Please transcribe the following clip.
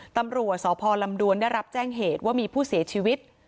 ตำรวจสพลำดวนได้รับแจ้งเหตุว่ามีผู้เสียชีวิต